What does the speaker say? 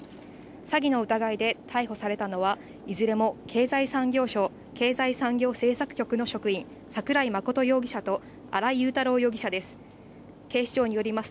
詐欺の疑いで逮捕されたのは、いずれも経済産業省経済産業政策局の職員、桜井真容疑者と新井雄太郎容疑者です。